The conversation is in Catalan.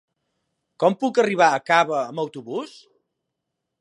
Com puc arribar a Cava amb autobús?